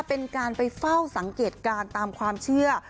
เป็นการไปเฝ้าสังเกตการณ์ตามความเชื่อ